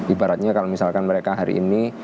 ibaratnya kalau misalkan mereka hari ini